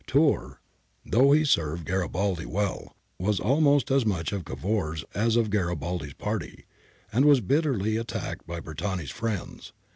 Tiirr, though he served Garibaldi well, was almost as much of Cavour's as of Garibaldi's party, and was bitterly at tacked by Bertani's friends.